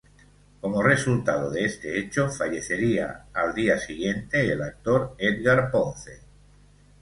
Como resultado de este hecho fallecería al día siguiente el actor Edgar Ponce.